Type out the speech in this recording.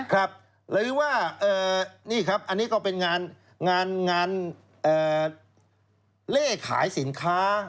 ครับหรือว่านี่ครับอันนี้ก็เป็นงานเล่ขายสินค้า